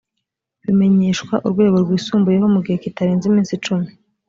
bimenyeshwa urwego rwisumbuyeho mu gihe kitarenze iminsi cumi